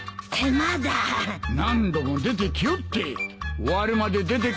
何度も出てきおって。